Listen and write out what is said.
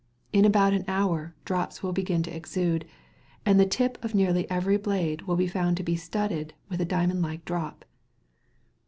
In about an hour, drops will begin to exude, and the tip of nearly every blade will be found to be studded with a diamond like drop.